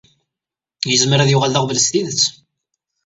Yezmer ad yuɣal d aɣbel s tidet.